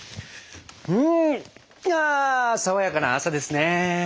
うんあ爽やかな朝ですね。